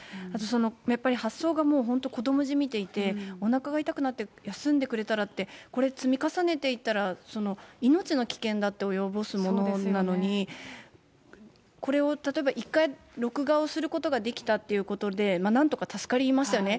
やっぱり発想がもう本当、子どもじみていて、おなかが痛くなって休んでくれたらって、これ、積み重ねていったら、命の危険だって及ぼすものなのに、これを例えば、１回録画をすることができたっていうことで、なんとか助かりましたよね。